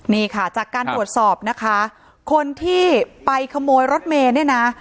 นี่ค่ะจากการตรวจสอบนะคะคนที่ไปขโมยรถเมย์เนี่ยนะ